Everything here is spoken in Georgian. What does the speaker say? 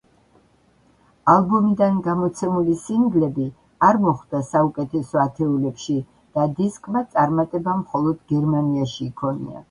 ალბომიდან გამოცემული სინგლები არ მოხვდა საუკეთესო ათეულებში და დისკმა წარმატება მხოლოდ გერმანიაში იქონია.